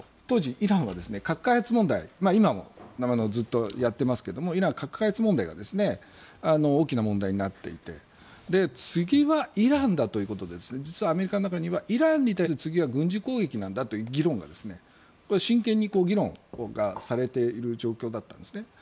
当時、イランは核開発問題今もずっとやっていますがイランの核開発問題が大きな問題になっていて次はイランだということで実はアメリカの中には次はイランに対する軍事攻撃なんだという議論が真剣に議論がされている状況だったんですね。